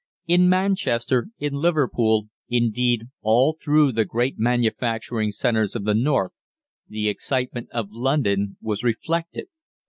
In Manchester, in Liverpool, indeed, all through the great manufacturing centres of the north, the excitement of London was reflected.